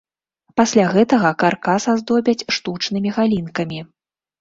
Пасля гэтага каркас аздобяць штучнымі галінкамі.